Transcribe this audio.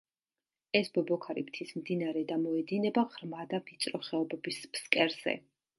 ეს ბობოქარი მთის მდინარე და მოედინება ღრმა და ვიწრო ხეობების ფსკერზე.